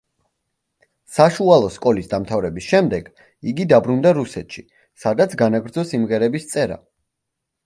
საშუალო სკოლის დამთავრების შემდეგ, იგი დაბრუნდა რუსეთში, სადაც განაგრძო სიმღერების წერა.